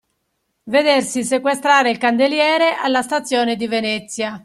Vedersi sequestrare il candeliere alla stazione di Venezia.